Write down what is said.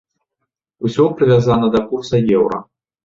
Усё прывязана да курса еўра.